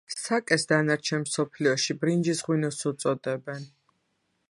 საკეს დანარჩენ მსოფლიოში ბრინჯის ღვინოს უწოდებენ.